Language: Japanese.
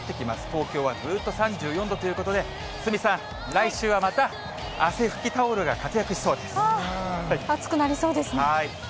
東京はずっと３４度ということで、鷲見さん、来週はまた、汗拭きタ暑くなりそうですね。